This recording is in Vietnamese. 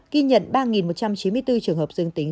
ghi nhận ba một trăm chín mươi bốn trường hợp dương tính